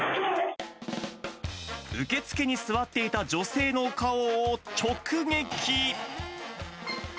受付に座っていた女性の顔を直撃。